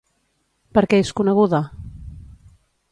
Per què és coneguda?